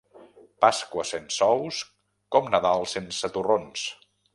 Pasqua sense ous, com Nadal sense torrons.